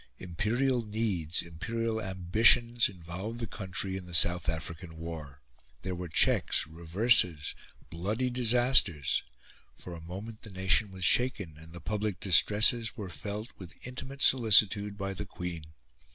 Imperial needs, imperial ambitions, involved the country in the South African War. There were checks, reverses, bloody disasters; for a moment the nation was shaken, and the public distresses were felt with intimate solicitude by the Queen.